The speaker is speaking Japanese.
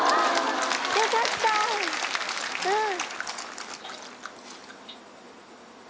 よかったうん。